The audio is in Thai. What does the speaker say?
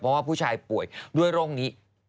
เพราะว่าผู้ชายป่วยด้วยโรคนี้